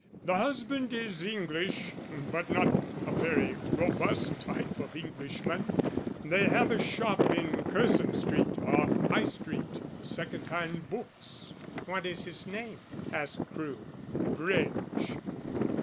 The husband is English, but not a very robust type of Englishman. They have a shop in Curzon Street off High Street second hand books." "What is his name?" asked Crewe. "Grange."